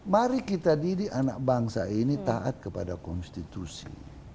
mari kita didik anak bangsa ini taat kepada konstitusi